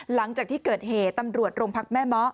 หลังจากที่เกิดเหตุตำรวจโรงพักแม่เมาะ